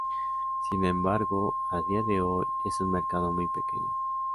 Sin embargo a día de hoy es un mercado muy pequeño.